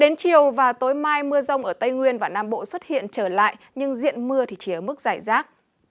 đến chiều và tối mai mưa rông ở tây nguyên và nam bộ xuất hiện trở lại nhưng diện mưa thì chỉ ở mức giải rác